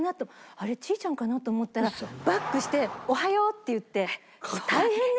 「あれちーちゃんかな？」と思ったらバックして「おはよう！」って言って「大変ね。